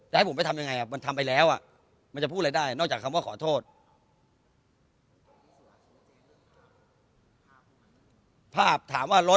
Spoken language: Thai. แต่ให้ผมไปทำยังไงมันทำไปแล้วมันจะพูดอะไรได้นอกจากสิ่งที่มันตอบก็คำว่าขอโทษ